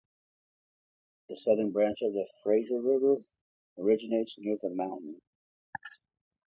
The southern branch of the Fraser River originates near this mountain.